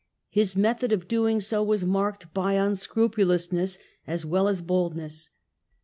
His method of doing so was marked by unscrupulousness as well as boldness.